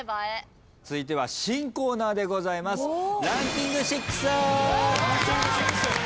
続いては新コーナーでございます。